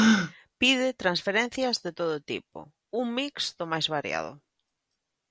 Pide transferencias de todo tipo, un mix do máis variado.